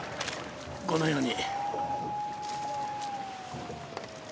このように。